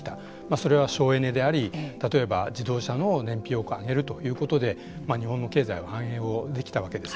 それは省エネであり例えば自動車の燃費を上げるということで日本の経済は繁栄できたわけです。